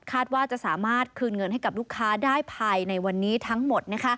ว่าจะสามารถคืนเงินให้กับลูกค้าได้ภายในวันนี้ทั้งหมด